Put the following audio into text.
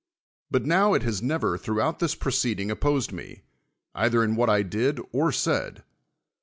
But now it has never throughout this proceeding oj^posed me, either in what I did or said.